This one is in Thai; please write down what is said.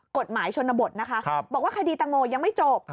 กฎหมายชนบทนะคะบอกว่าคดีตังโมยังไม่จบ